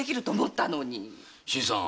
新さん。